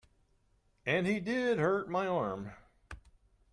And he did hurt my arm.